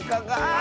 あ！